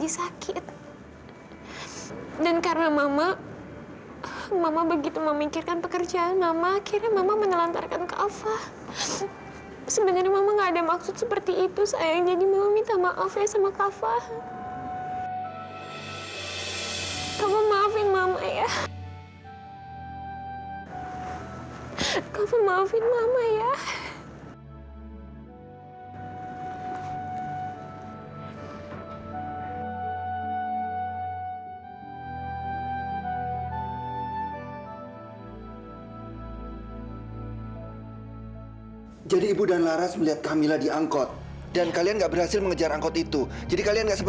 sampai jumpa di video selanjutnya